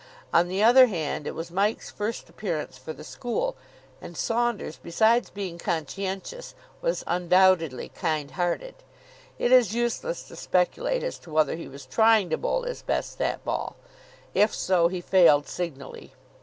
On the other hand, it was Mike's first appearance for the school, and Saunders, besides being conscientious, was undoubtedly kind hearted. It is useless to speculate as to whether he was trying to bowl his best that ball. If so, he failed signally.